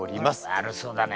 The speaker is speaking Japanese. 悪そうだね